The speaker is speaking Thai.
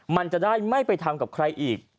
มันจะได้ไม่ไปทำกับใครอีก